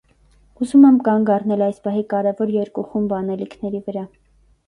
Ուզում եմ կանգ առնել այս պահի կարևոր երկու խումբ անելիքների վրա: